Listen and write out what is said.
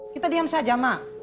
kita diam saja mak